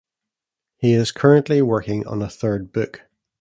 He is currently working on a third book.